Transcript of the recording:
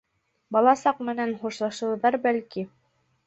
Бала саҡ менән хушлашыуҙыр, бәлки...